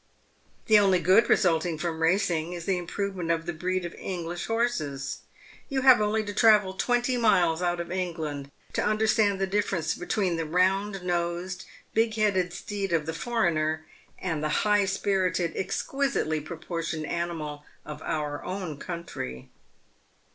The only good resulting from racing is the improvement of the breed of English horses. Tou have only to travel twenty miles out of England to understand the dif ference between the round nosed, big headed steed of the foreigner, and the high spirited, exquisitely proportioned animal of our own country.